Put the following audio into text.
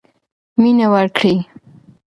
مینه ورکړئ.